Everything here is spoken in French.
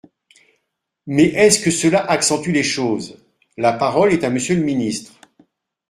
Mais est-ce que cela accentue les choses ? La parole est à Monsieur le ministre.